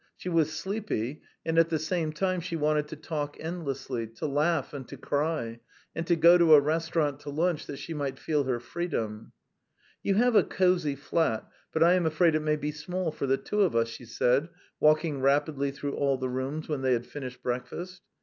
She was sleepy, and at the same time she wanted to talk endlessly, to laugh and to cry, and to go to a restaurant to lunch that she might feel her freedom. "You have a cosy flat, but I am afraid it may be small for the two of us," she said, walking rapidly through all the rooms when they had finished breakfast.